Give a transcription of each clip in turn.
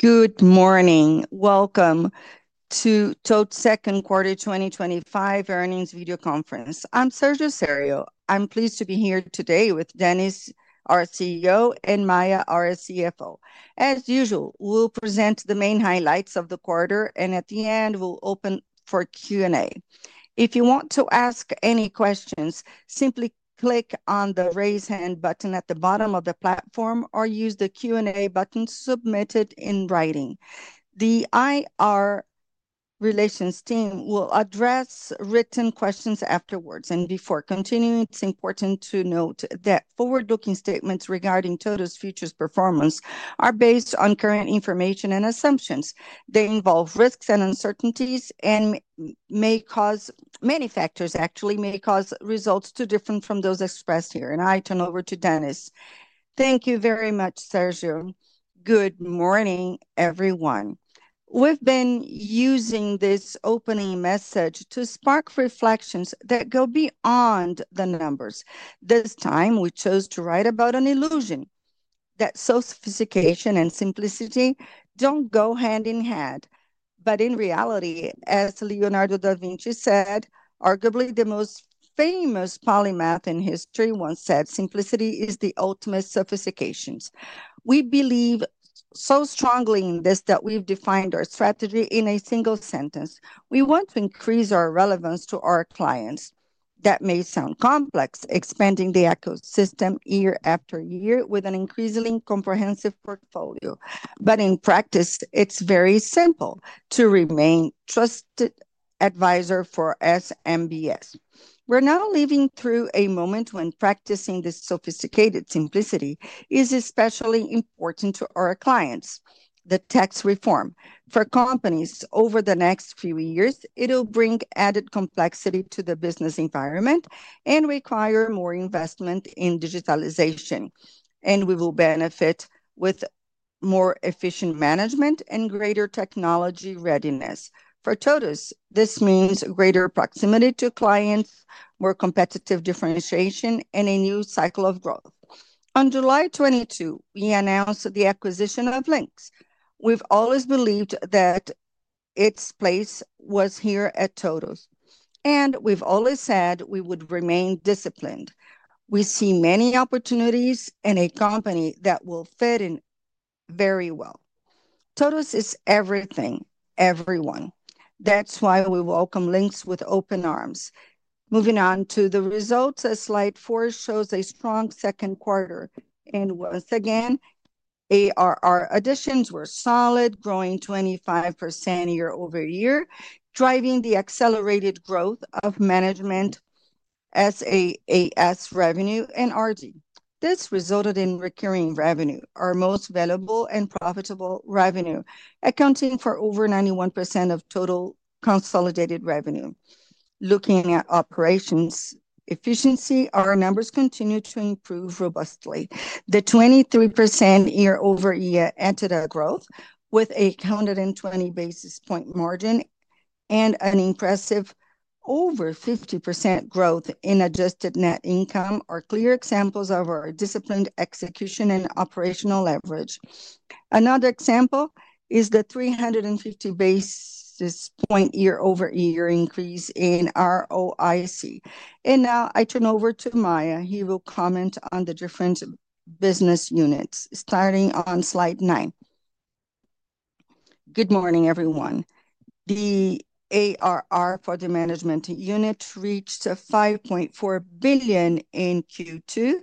Good morning. Welcome to TOTVS' Second Quarter 2025 Earnings Video Conference. I'm Sérgio Sério. I'm pleased to be here today with Dennis, our CEO, and Maia, our CFO. As usual, we'll present the main highlights of the quarter, and at the end, we'll open for Q&A. If you want to ask any questions, simply click on the raise hand button at the bottom of the platform or use the Q&A button submitted in writing. The IR Relations team will address written questions afterwards. Before continuing, it's important to note that forward-looking statements regarding TOTVS future performance are based on current information and assumptions. They involve risks and uncertainties and may cause many factors, actually, may cause results to differ from those expressed here. I turn over to Dennis. Thank you very much, Sérgio. Good morning, everyone. We've been using this opening message to spark reflections that go beyond the numbers. This time, we chose to write about an illusion, that sophistication and simplicity don't go hand in hand. In reality, as Leonardo da Vinci, arguably the most famous polymath in history, once said, "Simplicity is the ultimate sophistication." We believe so strongly in this that we've defined our strategy in a single sentence. We want to increase our relevance to our clients. That may sound complex, expanding the ecosystem year after year with an increasingly comprehensive portfolio. In practice, it's very simple to remain a trusted advisor for SMBs. We're now living through a moment when practicing this sophisticated simplicity is especially important to our clients. The tax reform for companies over the next few years will bring added complexity to the business environment and require more investment in digitalization. We will benefit with more efficient management and greater technology readiness. For TOTVS, this means greater proximity to clients, more competitive differentiation, and a new cycle of growth. On July 22, we announced the acquisition of Linx. We've always believed that its place was here at TOTVS, and we've always said we would remain disciplined. We see many opportunities in a company that will fit in very well. TOTVS is everything, everyone. That's why we welcome Linx with open arms. Moving on to the results, slide four shows a strong second quarter. Once again, ARR additions were solid, growing 25% year-over-year, driving the accelerated growth of management, SaaS revenue, and RD. This resulted in recurring revenue, our most valuable and profitable revenue, accounting for over 91% of total consolidated revenue. Looking at operations efficiency, our numbers continue to improve robustly. The 23% year-over-year EBITDA growth, with a 120 basis point margin and an impressive over 50% growth in adjusted net income, are clear examples of our disciplined execution and operational leverage. Another example is the 350 basis point year over year increase in ROIC. I now turn over to Maia. He will comment on the different business units, starting on slide nine. Good morning, everyone. The ARR for the management unit reached 5.4 billion in Q2,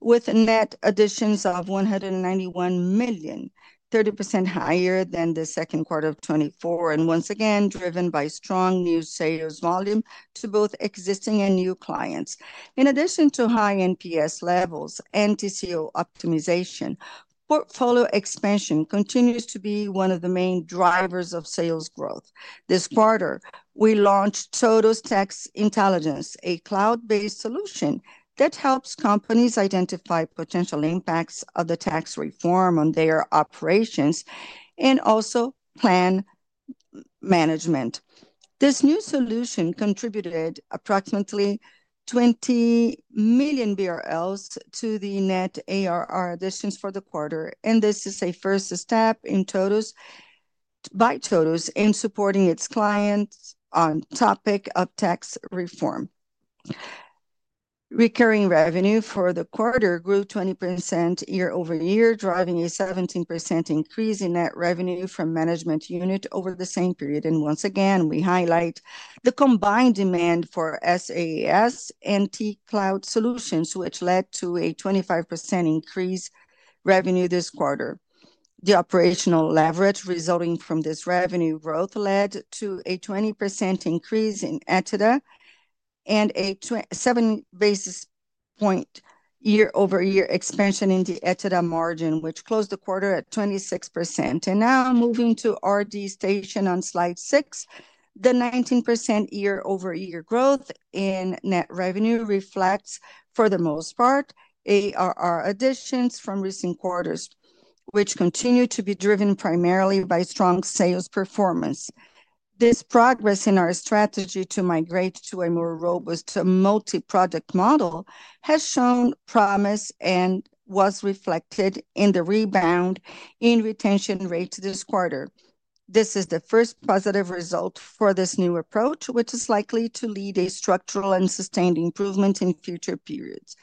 with net additions of 191 million, 30% higher than the second quarter of 2024, and once again, driven by strong new sales volume to both existing and new clients. In addition to high net promoter scores levels and TCO optimization, portfolio expansion continues to be one of the main drivers of sales growth. This quarter, we launched TOTVS Tax Intelligence, a cloud-based solution that helps companies identify potential impacts of the tax reform on their operations and also plan management. This new solution contributed approximately 20 million BRL to the net ARR additions for the quarter, and this is a first step by TOTVS in supporting its clients on the topic of tax reform. Recurring revenue for the quarter grew 20% year-over-year, driving a 17% increase in net revenue from the management unit over the same period. We highlight the combined demand for SaaS and cloud solutions, which led to a 25% increase in revenue this quarter. The operational leverage resulting from this revenue growth led to a 20% increase in EBITDA and a seven basis point year-over-year expansion in the EBITDA margin, which closed the quarter at 26%. Moving to RD Station on slide six, the 19% year-over-year growth in net revenue reflects, for the most part, ARR additions from recent quarters, which continue to be driven primarily by strong sales performance. This progress in our strategy to migrate to a more robust multi-product model has shown promise and was reflected in the rebound in retention rates this quarter. This is the first positive result for this new approach, which is likely to lead to a structural and sustained improvement in future periods.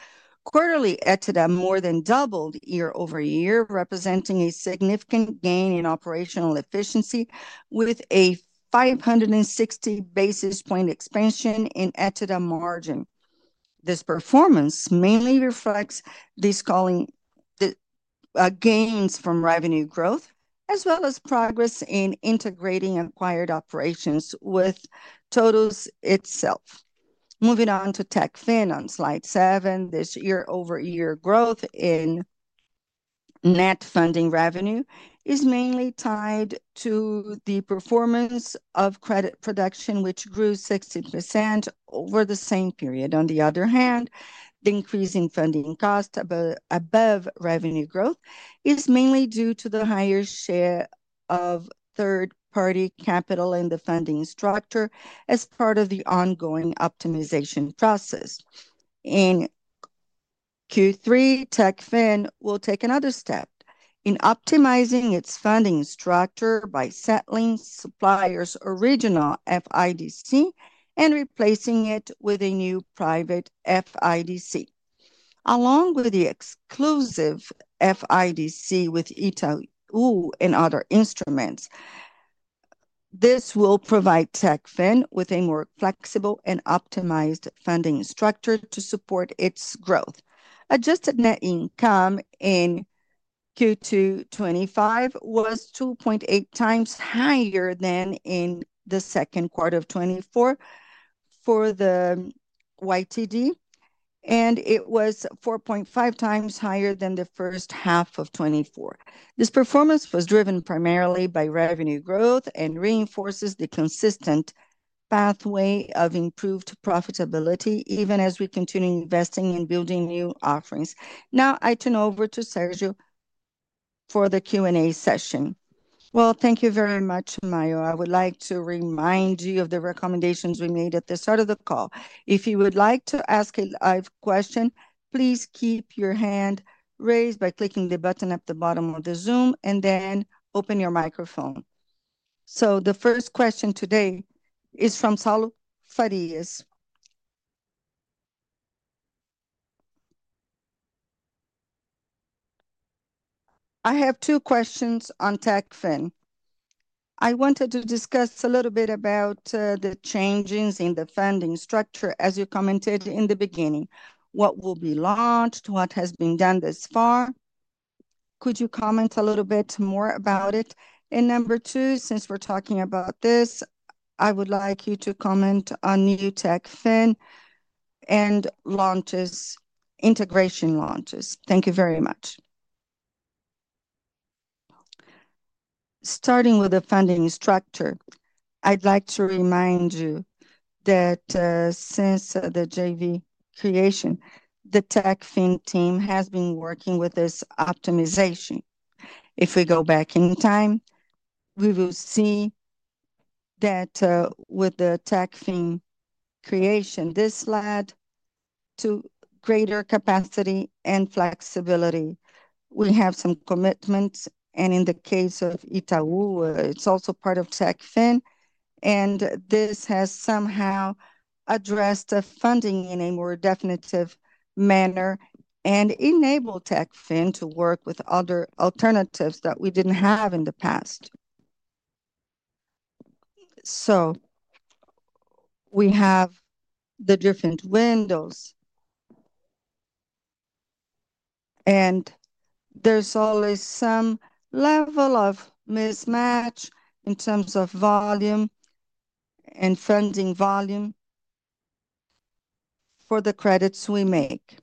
Quarterly EBITDA more than doubled year-over-year, representing a significant gain in operational efficiency with a 560 basis point expansion in EBITDA margin. This performance mainly reflects these gains from revenue growth, as well as progress in integrating acquired operations with TOTVS itself. Moving on to TechFin on slide seven, this year-over-year growth in net funding revenue is mainly tied to the performance of credit production, which grew 60% over the same period. On the other hand, the increase in funding costs above revenue growth is mainly due to the higher share of third-party capital in the funding structure as part of the ongoing optimization process. In Q3, TechFin will take another step in optimizing its funding structure by settling supplier's original FIDC and replacing it with a new private FIDC. Along with the exclusive FIDC with Itaú and other instruments, this will provide TechFin with a more flexible and optimized funding structure to support its growth. Adjusted net income in Q2 2025 was 2.8x higher than in the second quarter of 2024 for the YTD, and it was 4.5x higher than the first half of 2024. This performance was driven primarily by revenue growth and reinforces the consistent pathway of improved profitability, even as we continue investing in building new offerings. Now I turn over to Sérgio Sério for the Q&A session. Thank you very much, Maia. I would like to remind you of the recommendations we made at the start of the call. If you would like to ask a live question, please keep your hand raised by clicking the button at the bottom of the Zoom and then open your microphone. The first question today is from Gustavo Farias. I have two questions on TechFin. I wanted to discuss a little bit about the changes in the funding structure, as you commented in the beginning. What will be launched? What has been done thus far? Could you comment a little bit more about it? Number two, since we're talking about this, I would like you to comment on new TechFin and integration launches. Thank you very much. Starting with the funding structure, I'd like to remind you that since the JV creation, the TechFin team has been working with this optimization. If we go back in time, we will see that with the TechFin creation, this led to greater capacity and flexibility. We have some commitments, and in the case of Itaú, it's also part of TechFin, and this has somehow addressed the funding in a more definitive manner and enabled TechFin to work with other alternatives that we didn't have in the past. We have the different windows, and there's always some level of mismatch in terms of volume and funding volume for the credits we make.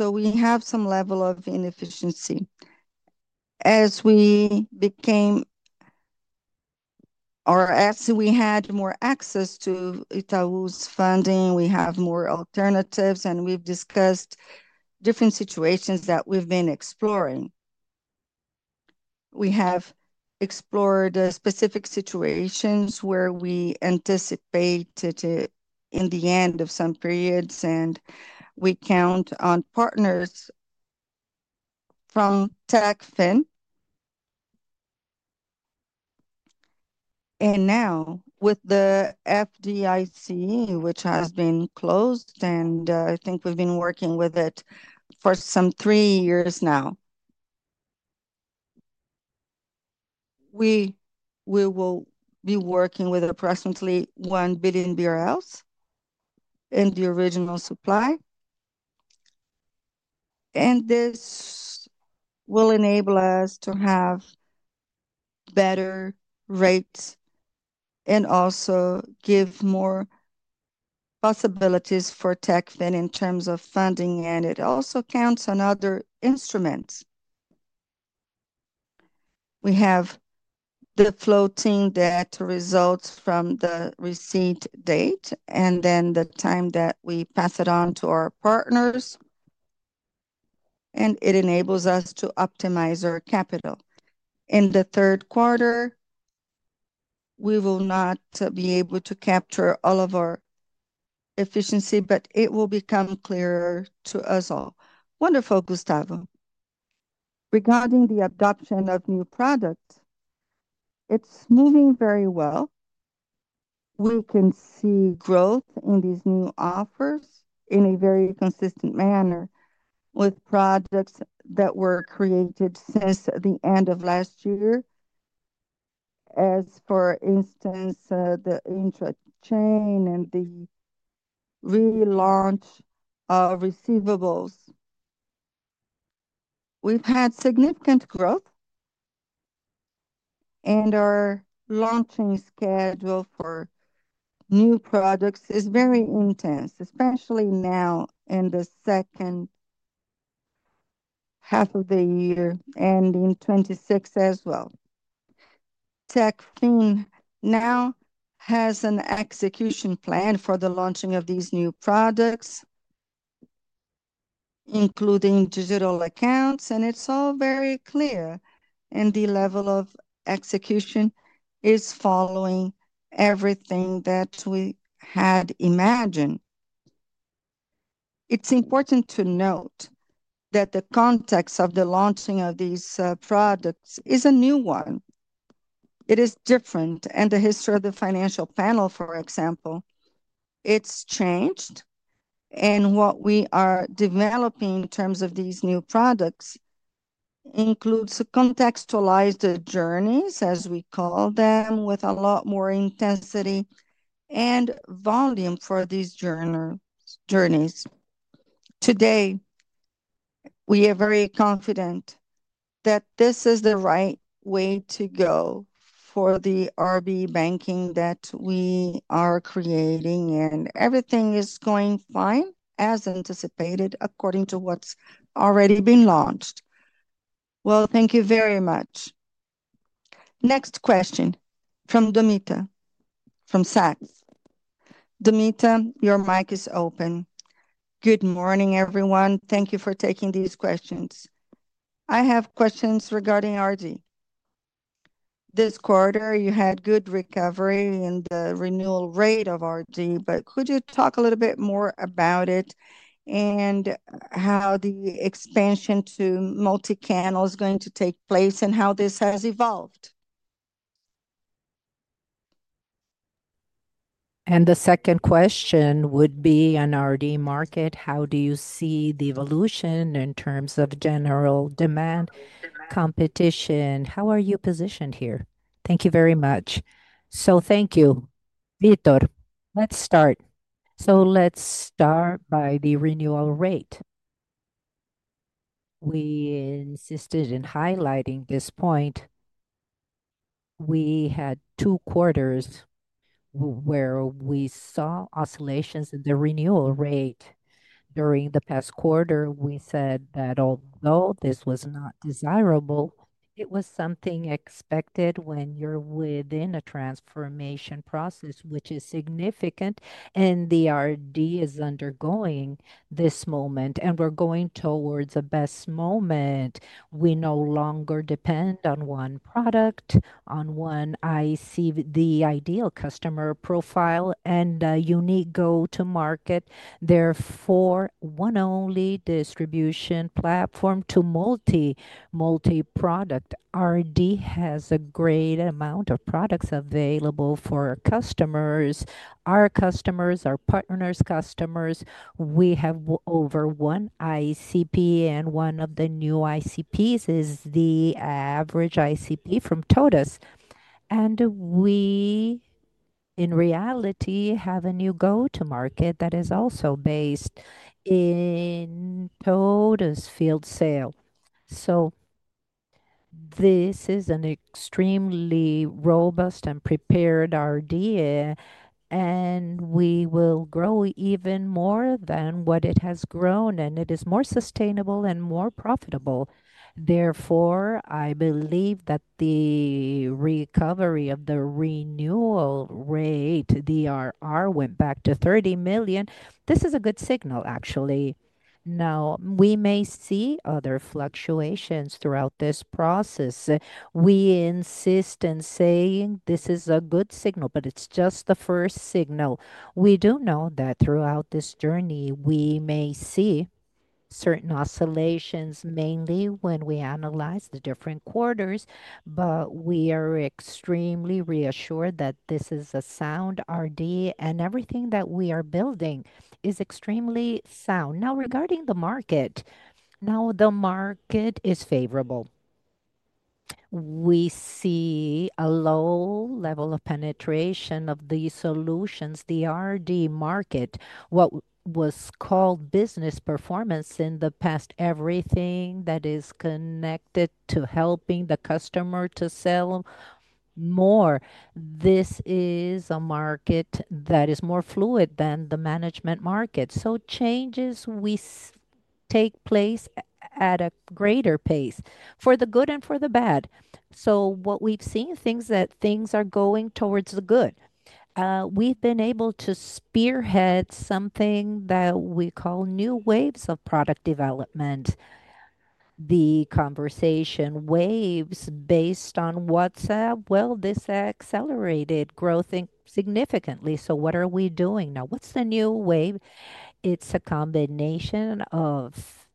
We have some level of inefficiency. As we became, or as we had more access to Itaú's funding, we have more alternatives, and we've discussed different situations that we've been exploring. We have explored specific situations where we anticipated in the end of some periods, and we count on partners from TechFin. Now, with the FIDC, which has been closed, and I think we've been working with it for about three years now, we will be working with approximately 1 billion BRL in the original supply. This will enable us to have better rates and also give more possibilities for TechFin in terms of funding, and it also counts on other instruments. We have the floating that results from the receipt date and then the time that we pass it on to our partners, and it enables us to optimize our capital. In the third quarter, we will not be able to capture all of our efficiency, but it will become clearer to us all. Wonderful, Gustavo. Regarding the adoption of new products, it's moving very well. We can see growth in these new offers in a very consistent manner with projects that were created since the end of last year. For instance, the intra-chain and the relaunch of receivables, we've had significant growth, and our launching schedule for new products is very intense, especially now in the second half of the year and in 2026 as well. TechFin now has an execution plan for the launching of these new products, including digital accounts, and it's all very clear, and the level of execution is following everything that we had imagined. It's important to note that the context of the launching of these products is a new one. It is different, and the history of the financial panel, for example, has changed. What we are developing in terms of these new products includes contextualized journeys, as we call them, with a lot more intensity and volume for these journeys. Today, we are very confident that this is the right way to go for the RB banking that we are creating, and everything is going fine as anticipated according to what's already been launched. Thank you very much. Next question from Tomita from Goldman Sachs. Tomita your mic is open. Good morning, everyone. Thank you for taking these questions. I have questions regarding RD. This quarter, you had good recovery in the renewal rate of RD, but could you talk a little bit more about it and how the expansion to multi-channel is going to take place and how this has evolved? The second question would be on RD market. How do you see the evolution in terms of general demand, competition? How are you positioned here? Thank you very much. Thank you, Vitor. Let's start by the renewal rate. We insisted in highlighting this point. We had two quarters where we saw oscillations in the renewal rate during the past quarter. We said that although this was not desirable, it was something expected when you're within a transformation process, which is significant, and the RD is undergoing this moment, and we're going towards the best moment. We no longer depend on one product, on one ICP, the ideal customer profile, and a unique go-to-market. Therefore, one only distribution platform to multi-product. RD has a great amount of products available for our customers, our customers, our partners' customers. We have over one ICP, and one of the new ICPs is the average ICP from TOTVS. In reality, we have a new go-to-market that is also based in TOTVS field sale. This is an extremely robust and prepared RD, and we will grow even more than what it has grown, and it is more sustainable and more profitable. Therefore, I believe that the recovery of the renewal rate, the RR, went back to $30 million. This is a good signal, actually. We may see other fluctuations throughout this process. We insist in saying this is a good signal, but it's just the first signal. We do know that throughout this journey, we may see certain oscillations, mainly when we analyze the different quarters, but we are extremely reassured that this is a sound RD, and everything that we are building is extremely sound. Now, regarding the market, the market is favorable. We see a low level of penetration of the solutions, the RD market, what was called business performance in the past, everything that is connected to helping the customer to sell more. This is a market that is more fluid than the management market. Changes take place at a greater pace for the good and for the bad. What we've seen is things are going towards the good. We've been able to spearhead something that we call new waves of product development. The conversation waves based on WhatsApp. This accelerated growth significantly. What are we doing now? The new wave is a combination of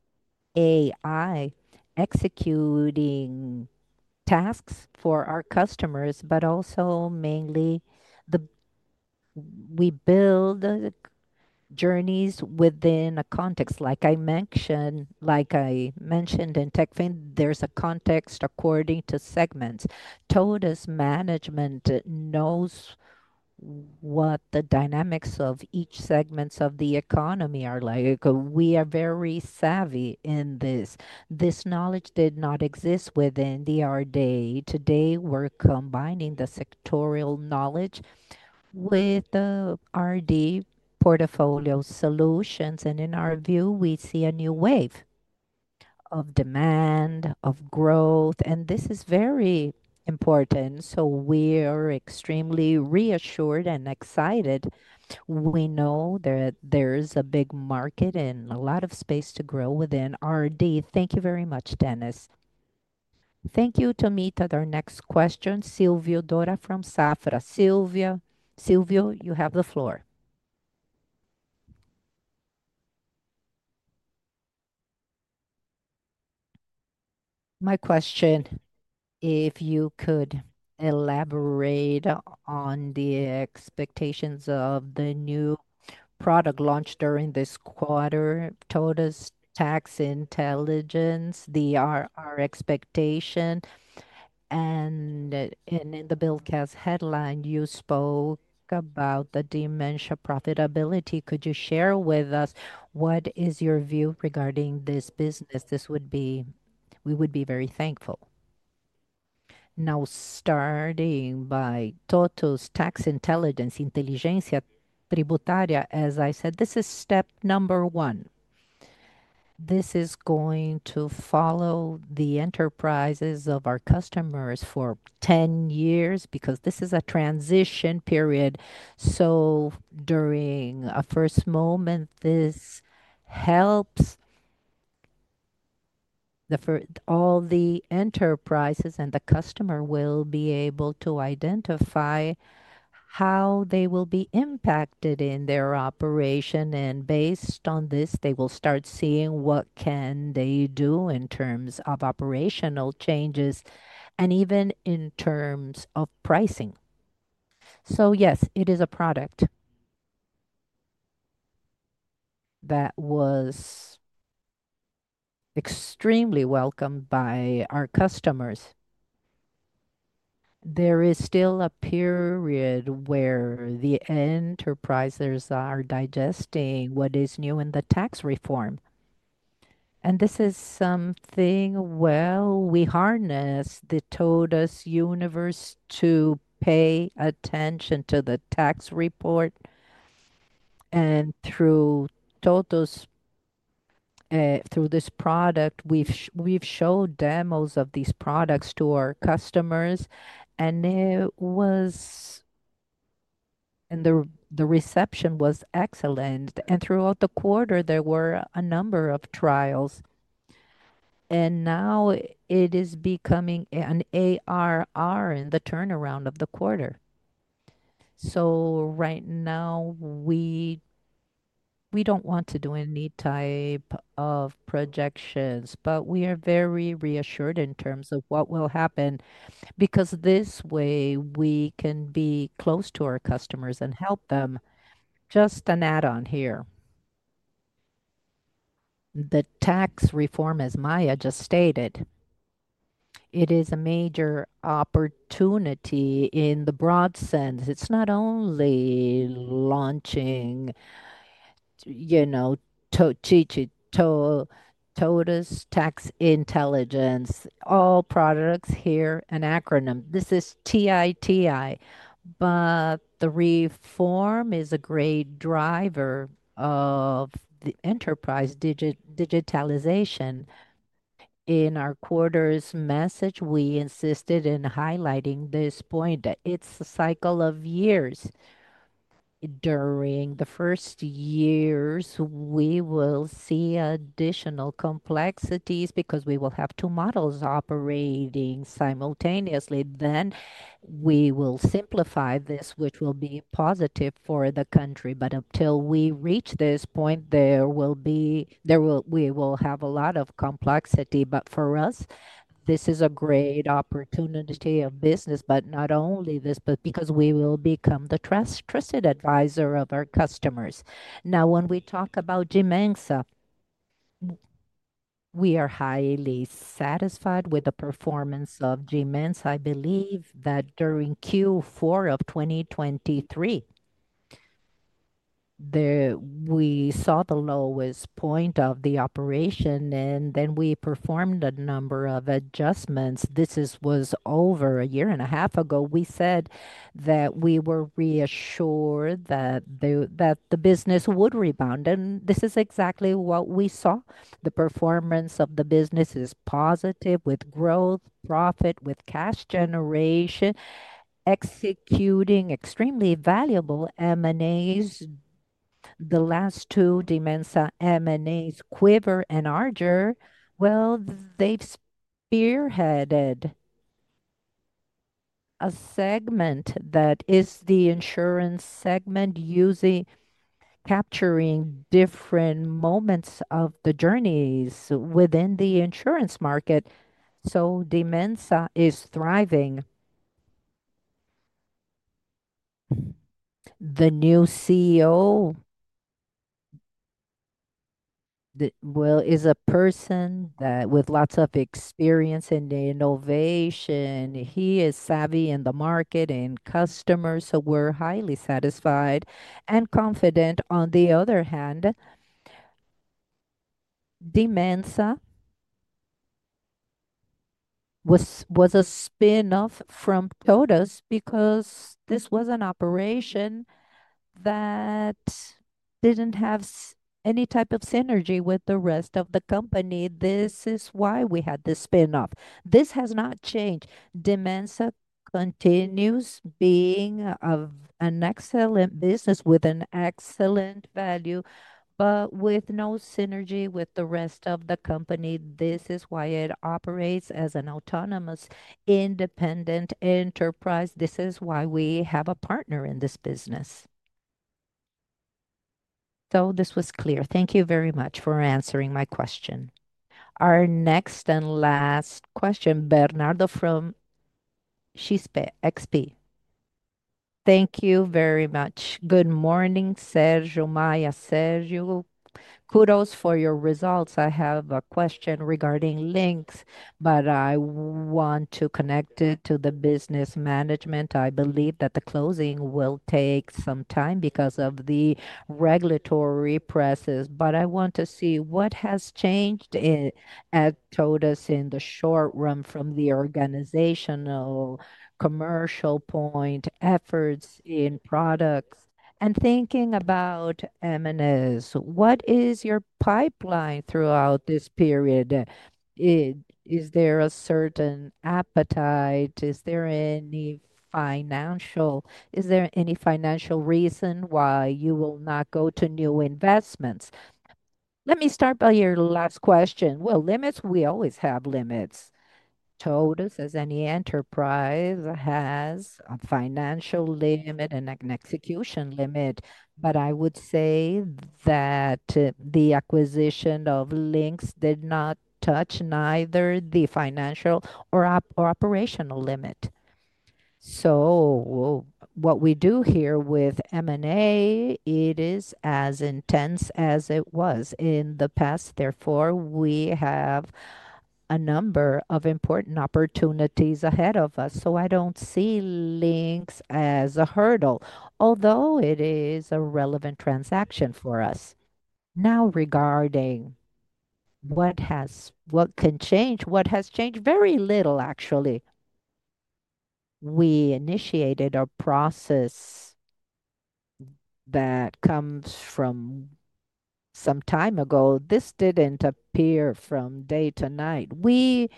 AI executing tasks for our customers, but also mainly we build the journeys within a context. Like I mentioned in Techfin, there's a context according to segments. TOTVS management knows what the dynamics of each segment of the economy are like. We are very savvy in this. This knowledge did not exist within the RD. Today, we're combining the sectorial knowledge with the RD portfolio solutions. In our view, we see a new wave of demand, of growth, and this is very important. We are extremely reassured and excited. We know that there's a big market and a lot of space to grow within RD. Thank you very much, Dennis. Thank you, Tomita. Our next question, Silvio Dória from Safra. Silvio, you have the floor. My question, if you could elaborate on the expectations of the new product launch during this quarter, TOTVS Tax Intelligence, the ARR expectation, and in the Bilcas headline, you spoke about the Dimensa profitability. Could you share with us what is your view regarding this business? We would be very thankful. Now, starting by TOTVS Tax Intelligence, Intelligencia Tributária, as I said, this is step number one. This is going to follow the enterprises of our customers for 10 years because this is a transition period. During a first moment, this helps all the enterprises, and the customer will be able to identify how they will be impacted in their operation. Based on this, they will start seeing what can they do in terms of operational changes and even in terms of pricing. Yes, it is a product that was extremely welcomed by our customers. There is still a period where the enterprises are digesting what is new in the tax reform. We harness the TOTVS universe to pay attention to the tax report. Through TOTVS, through this product, we've showed demos of these products to our customers, and the reception was excellent. Throughout the quarter, there were a number of trials. Now it is becoming an ARR in the turnaround of the quarter. Right now, we don't want to do any type of projections, but we are very reassured in terms of what will happen because this way we can be close to our customers and help them. Just an add-on here. The tax reform, as Maia just stated, it is a major opportunity in the broad sense. It's not only launching TOTVS Tax Intelligence, all products here, an acronym. This is TITI. The reform is a great driver of the enterprise digitalization. In our quarter's message, we insisted in highlighting this point. It's a cycle of years. During the first years, we will see additional complexities because we will have two models operating simultaneously. Then we will simplify this, which will be positive for the country. Until we reach this point, there will be, we will have a lot of complexity. For us, this is a great opportunity of business, not only this, but because we will become the trusted advisor of our customers. Now, when we talk about Dimensa, we are highly satisfied with the performance of Dimensa. I believe that during Q4 of 2023, we saw the lowest point of the operation, and then we performed a number of adjustments. This was over a year and a half ago. We said that we were reassured that the business would rebound, and this is exactly what we saw. The performance of the business is positive with growth, profit, with cash generation, executing extremely valuable M&As. The last two Dimensa M&As, Quiver and Agger, they've spearheaded a segment that is the insurance segment, using capturing different moments of the journeys within the insurance market. Dimensa is thriving. The new CEO is a person with lots of experience in innovation. He is savvy in the market and customers, so we're highly satisfied and confident. On the other hand, Dimensa was a spin-off from TOTVS because this was an operation that didn't have any type of synergy with the rest of the company. This is why we had this spin-off. This has not changed. Dimensa continues being an excellent business with an excellent value, but with no synergy with the rest of the company. This is why it operates as an autonomous, independent enterprise. This is why we have a partner in this business. This was clear. Thank you very much for answering my question. Our next and last question, Bernardo from XP. Thank you very much. Good morning, Sérgio, Maia, Sérgio. Kudos for your results. I have a question regarding Linx, but I want to connect it to the business management. I believe that the closing will take some time because of the regulatory presses, but I want to see what has changed at TOTVS in the short run from the organizational commercial point efforts in products. Thinking about M&As, what is your pipeline throughout this period? Is there a certain appetite? Is there any financial reason why you will not go to new investments? Let me start by your last question. Limits, we always have limits. TOTVS, as any enterprise, has a financial limit and an execution limit. I would say that the acquisition of Linx did not touch either the financial or operational limit. What we do here with M&A is as intense as it was in the past. Therefore, we have a number of important opportunities ahead of us. I don't see Linx as a hurdle, although it is a relevant transaction for us. Now, regarding what can change, what has changed? Very little, actually. We initiated a process that comes from some time ago. This didn't appear from day to night. We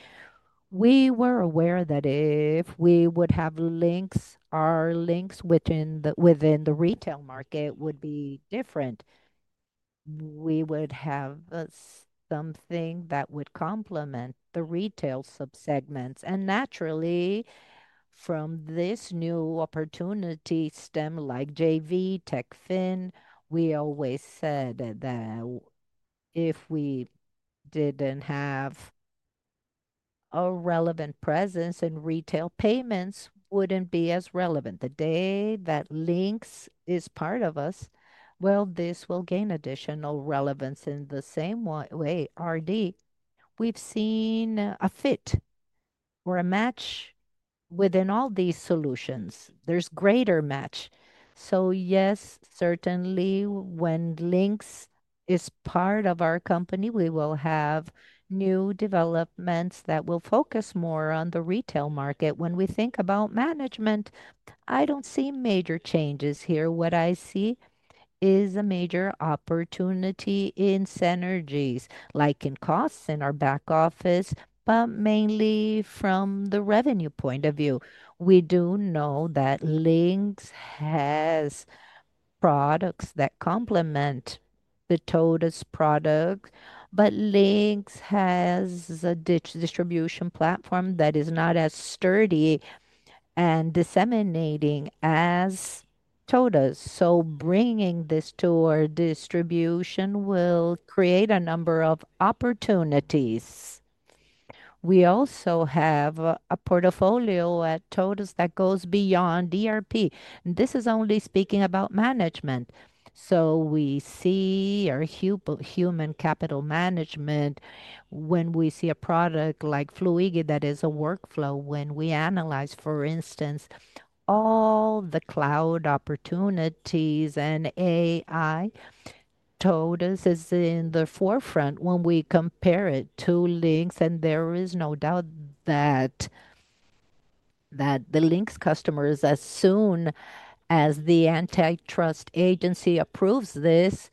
were aware that if we would have Linx, our Linx within the retail market would be different. We would have something that would complement the retail subsegments. Naturally, from this new opportunity stem like JV, Techfin, we always said that if we didn't have a relevant presence in retail payments, it wouldn't be as relevant. The day that Linx is part of us, this will gain additional relevance in the same way. RD, we've seen a fit or a match within all these solutions. There's greater match. Yes, certainly, when Linx is part of our company, we will have new developments that will focus more on the retail market. When we think about management, I don't see major changes here. What I see is a major opportunity in synergies, like in costs in our back office, but mainly from the revenue point of view. We do know that Linx has products that complement the TOTVS product, but Linx has a distribution platform that is not as sturdy and disseminating as TOTVS. Bringing this to our distribution will create a number of opportunities. We also have a portfolio at TOTVS that goes beyond ERP. This is only speaking about management. We see our human capital management when we see a product like Fluigy that is a workflow. When we analyze, for instance, all the cloud opportunities and AI, TOTVS is in the forefront when we compare it to Linx. There is no doubt that the Linx customers, as soon as the antitrust agency approves this,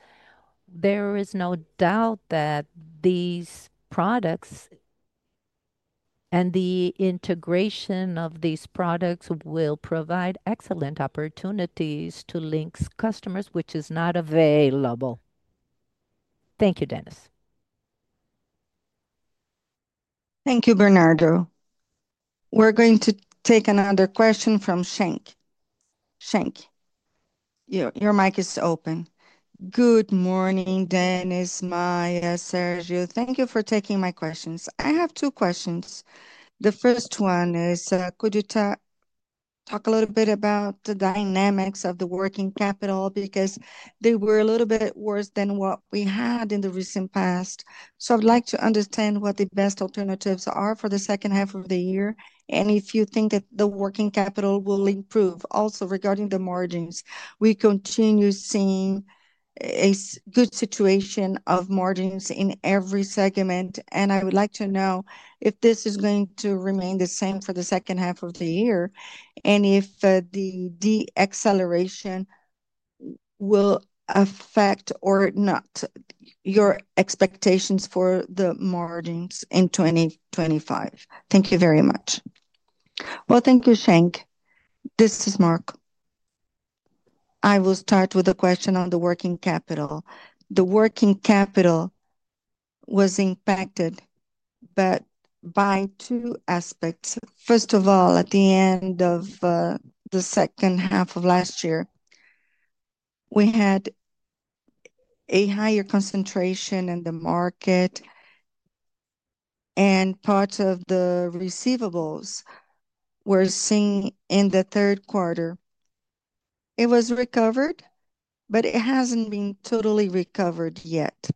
there is no doubt that these products and the integration of these products will provide excellent opportunities to Linx customers, which is not available. Thank you, Dennis. Thank you, Bernardo. We're going to take another question from Cheng. Cheng, your mic is open. Good morning, Dennis, Maia, Sérgio. Thank you for taking my questions. I have two questions. The first one is, could you talk a little bit about the dynamics of the working capital? Because they were a little bit worse than what we had in the recent past. I'd like to understand what the best alternatives are for the second half of the year, and if you think that the working capital will improve. Also, regarding the margins, we continue seeing a good situation of margins in every segment. I would like to know if this is going to remain the same for the second half of the year, and if the de-acceleration will affect or not your expectations for the margins in 2025. Thank you very much. Thank you, Cheng. This is Maia. I will start with a question on the working capital. The working capital was impacted by two aspects. First of all, at the end of the second half of last year, we had a higher concentration in the market, and parts of the receivables we're seeing in the third quarter, it was recovered, but it hasn't been totally recovered yet.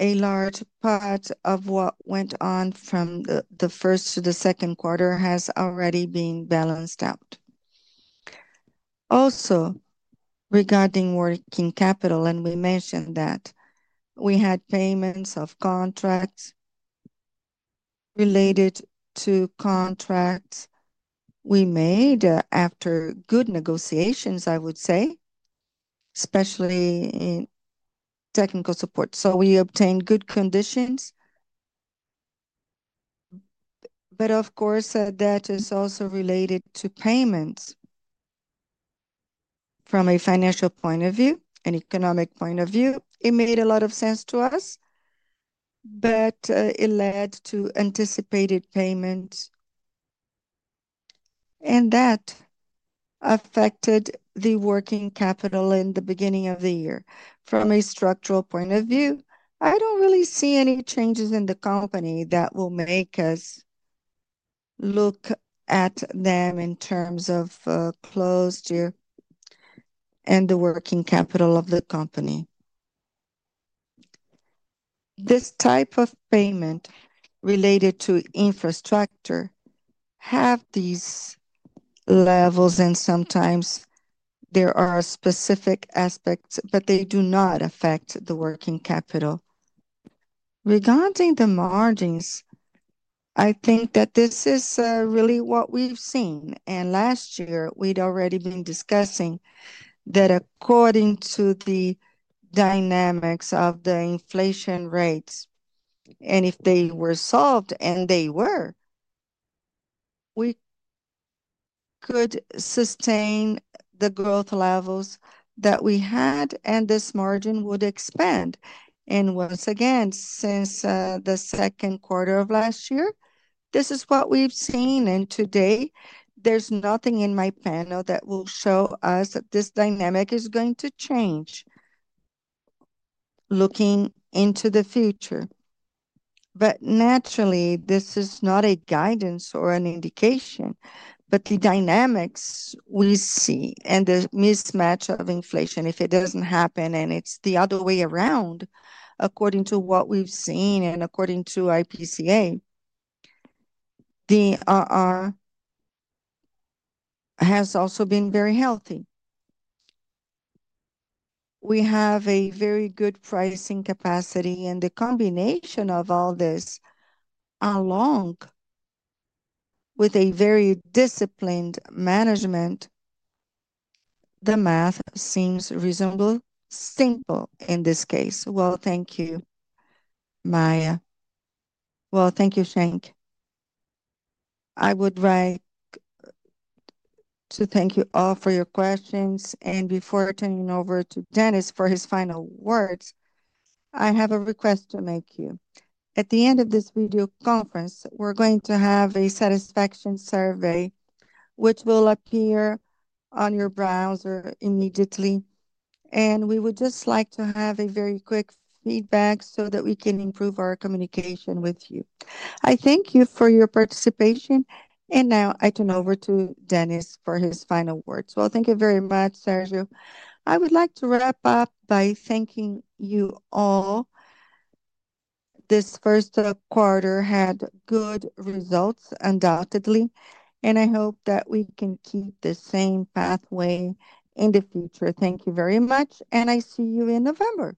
A large part of what went on from the first to the second quarter has already been balanced out. Also, regarding working capital, we mentioned that we had payments of contracts related to contracts we made after good negotiations, I would say, especially in technical support. We obtained good conditions. Of course, that is also related to payments. From a financial point of view and economic point of view, it made a lot of sense to us, but it led to anticipated payments, and that affected the working capital in the beginning of the year. From a structural point of view, I don't really see any changes in the company that will make us look at them in terms of a closed year and the working capital of the company. This type of payment related to infrastructure has these levels, and sometimes there are specific aspects, but they do not affect the working capital. Regarding the margins, I think that this is really what we've seen. Last year, we'd already been discussing that according to the dynamics of the inflation rates, and if they were solved, and they were, we could sustain the growth levels that we had, and this margin would expand. Once again, since the second quarter of last year, this is what we've seen. Today, there's nothing in my panel that will show us that this dynamic is going to change looking into the future. Naturally, this is not a guidance or an indication, but the dynamics we see and the mismatch of inflation, if it doesn't happen and it's the other way around, according to what we've seen and according to IPCA, the RR has also been very healthy. We have a very good pricing capacity, and the combination of all this along with a very disciplined management, the math seems reasonable, simple in this case. Thank you, Maia. Thank you, Cheng. I would like to thank you all for your questions. Before turning over to Dennis for his final words, I have a request to make you. At the end of this video conference, we're going to have a satisfaction survey, which will appear on your browser immediately. We would just like to have a very quick feedback so that we can improve our communication with you. I thank you for your participation. Now I turn over to Dennis for his final words. Thank you very much, Sérgio. I would like to wrap up by thanking you all. This first quarter had good results, undoubtedly, and I hope that we can keep the same pathway in the future. Thank you very much, and I see you in November.